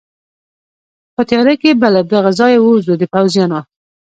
په تېاره کې به له دغه ځایه ووځو، د پوځیانو.